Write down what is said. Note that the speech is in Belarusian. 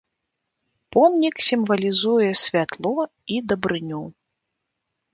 Помнік сімвалізуе святло і дабрыню.